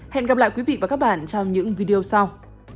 hẹn gặp lại quý vị và các bạn trong những video sau